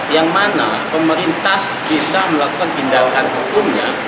yang mana pemerintah bisa melakukan tindakan hukumnya